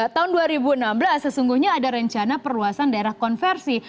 tahun dua ribu enam belas sesungguhnya ada rencana perluasan daerah konversi